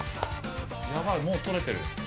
やばい、もう取れてる。